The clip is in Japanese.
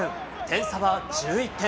点差は１１点。